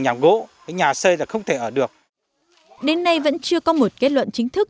nhà gỗ với nhà xây là không thể ở được đến nay vẫn chưa có một kết luận chính thức